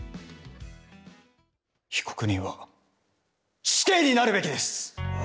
被告人は死刑になるべきです！